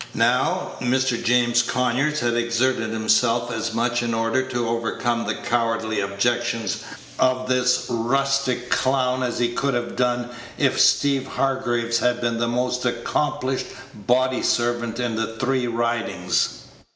Now, Mr. James Conyers had exerted himself as much in order to overcome the cowardly objections of this rustic clown as he could have done if Steeve Hargraves had been the most accomplished body servant in the three ridings.